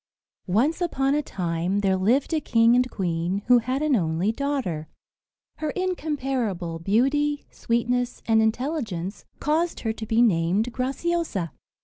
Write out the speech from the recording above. Once upon a time there lived a king and queen, who had an only daughter. Her incomparable beauty, sweetness, and intelligence caused her to be named Graciosa.